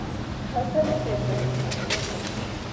Achgame cheptanyun kabilet ake